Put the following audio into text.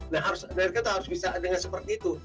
nah mereka itu harus bisa dengan seperti itu